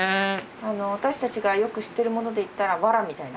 私たちがよく知ってるもので言ったらわらみたいな？